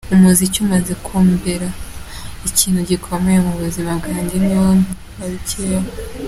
Umuziki umaze kumbera ikintu gikomeye mu buzima bwanjye, ni wo nubakiyeho.